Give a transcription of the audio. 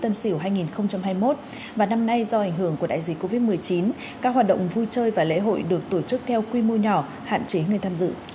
năm nay do ảnh hưởng của đại dịch covid một mươi chín các hoạt động vui chơi và lễ hội được tổ chức theo quy mô nhỏ hạn chế người tham dự